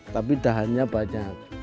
tapi dahannya banyak